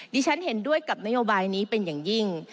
ฉันเห็นด้วยกับนโยบายนี้เป็นอย่างยิ่ง